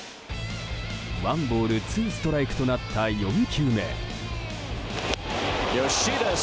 ワンボールツーストライクとなった４球目。